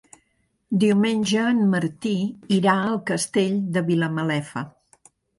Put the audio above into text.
Diumenge en Martí irà al Castell de Vilamalefa.